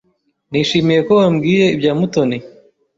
Nishimiye ko wambwiye ibya Mutoni.